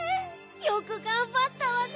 よくがんばったわね。